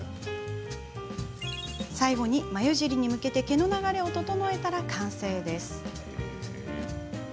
最後に、眉尻に向けて毛の流れを整えたら完成です。